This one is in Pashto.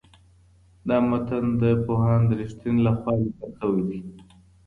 دا متن د پوهاند رښتین لخوا لیکل سوی دی.